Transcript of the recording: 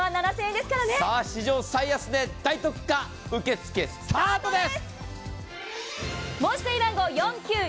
市場最安値大特価受付スタートです。